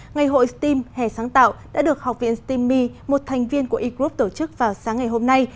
ngày hội steam hè sáng tạo đã được học viện steam me một thành viên của egroup tổ chức vào sáng ngày hôm nay